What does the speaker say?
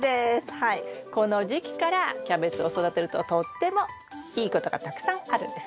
この時期からキャベツを育てるととってもいいことがたくさんあるんです。